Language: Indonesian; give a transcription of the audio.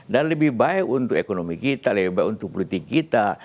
dan lebih baik untuk ekonomi kita lebih baik untuk politik kita